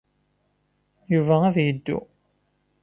Yuba ad yeddu.